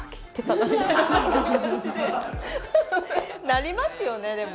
なりますよねでもね。